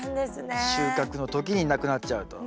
収穫の時になくなっちゃうと。